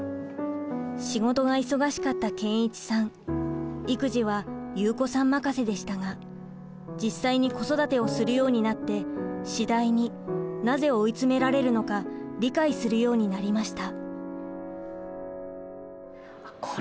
仕事が忙しかった健一さん育児は祐子さん任せでしたが実際に子育てをするようになって次第になぜ追い詰められるのか理解するようになりました。